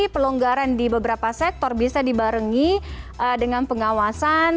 pelonggaran di beberapa sektor bisa dibarengi dengan pengawasan